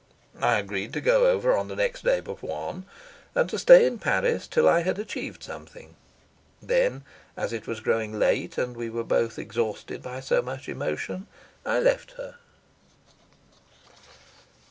I agreed to go over on the next day but one, and to stay in Paris till I had achieved something. Then, as it was growing late and we were both exhausted by so much emotion, I left her.